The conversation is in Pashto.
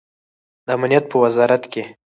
د امنیت په وزارت کې